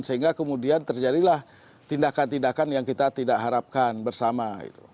sehingga kemudian terjadilah tindakan tindakan yang kita tidak harapkan bersama